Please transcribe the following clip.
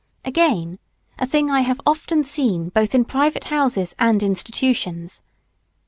Again, a thing I have often seen both in private houses and institutions.